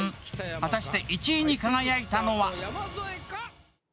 果たして１位に輝いたのは？